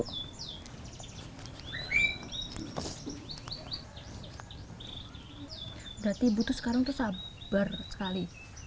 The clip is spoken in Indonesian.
berarti ibu itu sekarang sabar sekali